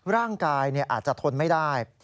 ร่างกายอาจจะทนไม่ได้